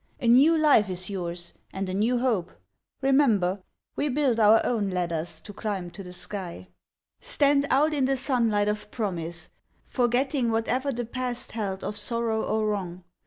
A new life is yours, and a new hope. Remember, We build our own ladders to climb to the sky. Stand out in the sunlight of Promise, forgetting Whatever the Past held of sorrow or wrong.